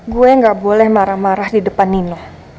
gue gak boleh marah marah di depan nino